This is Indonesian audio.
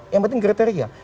yang penting kriteria